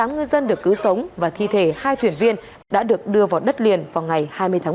bảy mươi tám ngư dân được cứu sống và thi thể hai thuyền viên đã được đưa vào đất liền vào ngày hai mươi tháng một mươi